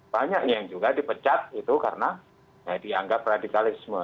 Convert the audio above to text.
banyak yang juga dipecat itu karena dianggap radikalisme